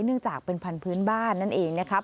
เนื่องจากเป็นพันธุ์พื้นบ้านนั่นเองนะครับ